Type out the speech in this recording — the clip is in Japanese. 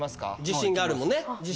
自信があるもんね。